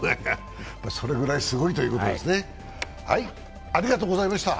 それぐらいすごいということですね。